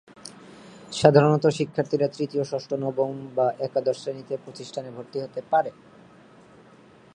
সাধারণত শিক্ষার্থীরা তৃতীয়, ষষ্ঠ, নবম বা একাদশ শ্রেণিতে প্রতিষ্ঠানে ভর্তি হতে পারে।